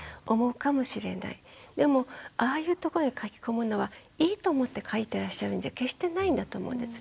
でもああいうとこに書き込むのはいいと思って書いてらっしゃるんじゃ決してないんだと思うんです。